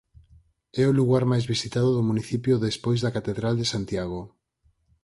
É o lugar máis visitado do municipio despois da catedral de Santiago.